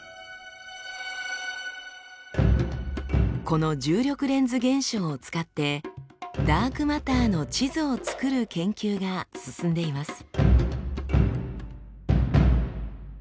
この重力レンズ現象を使ってダークマターの地図を作る研究が進んでいます。